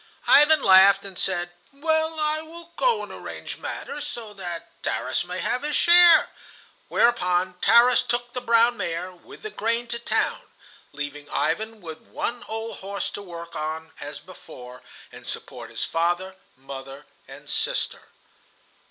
Ivan laughed and said: "Well, I will go and arrange matters so that Tarras may have his share," whereupon Tarras took the brown mare with the grain to town, leaving Ivan with one old horse to work on as before and support his father, mother, and sister.